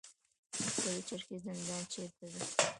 پل چرخي زندان چیرته دی؟